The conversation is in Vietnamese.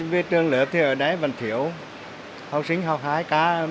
về trường lớp thì ở đấy vẫn thiếu học sinh học hai ca